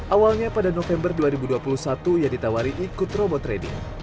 awalnya pada november dua ribu dua puluh satu ia ditawari ikut robot trading